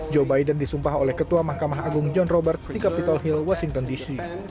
joe biden disumpah oleh ketua mahkamah agung john roberts di capital hill washington dc